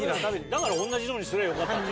だから同じのにすりゃよかったんだよ。